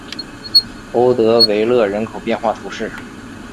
欧德维勒人口变化图示